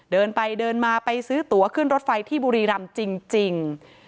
เดินไปเดินมาไปซื้อตัวขึ้นรถไฟที่บุรีรำจริง